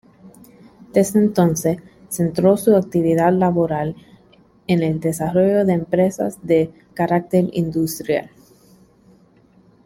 Desde entonces, centró su actividad laboral en el desarrollo de empresas de carácter industrial.